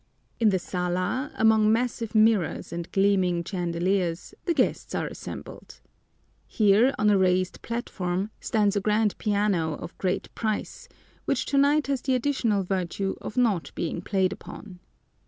In the sala, among massive mirrors and gleaming chandeliers, the guests are assembled. Here, on a raised platform, stands a grand piano of great price, which tonight has the additional virtue of not being played upon.